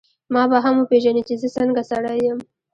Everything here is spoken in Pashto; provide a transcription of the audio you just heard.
ما به هم وپېژنې چي زه څنګه سړی یم.